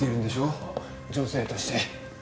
女性として。